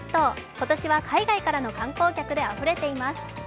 今年は海外からの観光客であふれています。